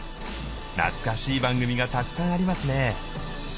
懐かしい番組がたくさんありますね。